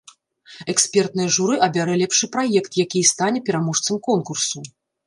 Экспертнае журы абярэ лепшы праект, які і стане пераможцам конкурсу.